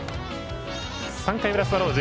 ３回裏、スワローズ。